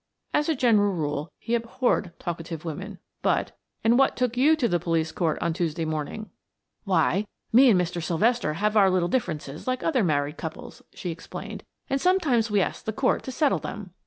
As a general rule he abhorred talkative women, but "And what took you to the police court on Tuesday morning?" "Why, me and Mr. Sylvester have our little differences like other married couples," she explained. "And sometimes we ask the Court to settle them."